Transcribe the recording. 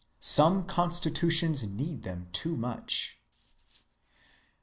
Some constitutions need them too much.